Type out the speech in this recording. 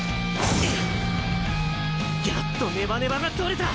やっとネバネバが取れた！